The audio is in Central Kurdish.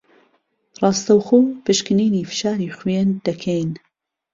راستهوخۆ پشکنینی فشاری خوێن دهکهین